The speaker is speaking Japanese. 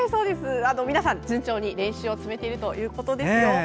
皆さん、順調に練習を積めているということです。